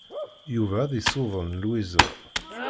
Yuba ad isuden Lwiza.